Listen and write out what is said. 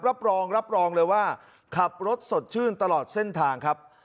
รับรองรับรองเลยว่าขับรถสดชื่นตลอดเส้นทางครับ